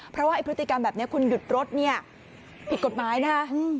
พฤติกรรมแบบนี้คุณหยุดรถเนี่ยผิดกฎหมายนะอืม